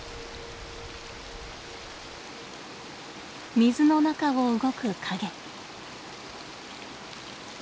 水の中を動く影。